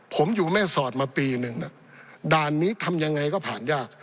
ผมอยู่แม่สอดมาปีหนึ่งด่านนี้ทำยังไงก็ผ่านยาก